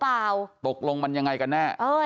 แต่ว่าถ้ามุมมองในทางการรักษาก็ดีค่ะ